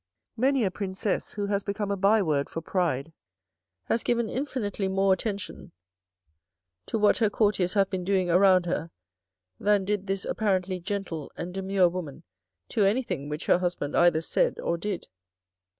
Many a princess who has become a bye word for pride has given infinitely more attention to what her courtiers have been 38 THE RED AND THE BLACK doing around her than did this apparently gentle and demure woman to anything which her husband either said or did.